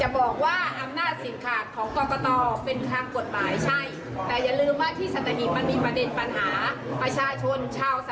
ไปเก็บที่จังหวัดนะคะวันนี้เรามาพูดคุย